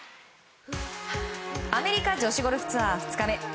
アメリカ女子ゴルフツアー２日目。